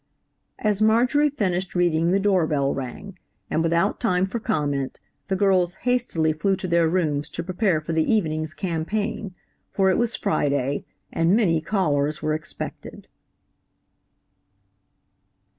As Marjorie finished reading the door bell rang, and without time for comment the girls hastily flew to their rooms to prepare for the evening's campaign, for it was Friday, and many callers were expected.